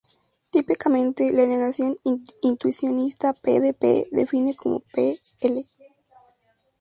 Típicamente, la negación intuicionista ¬"p" de "p" se define como "p"→⊥.